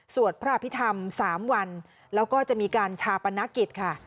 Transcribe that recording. สวดพระอภิษฐรรม๓วันแล้วก็จะมีการชาปนกิจค่ะ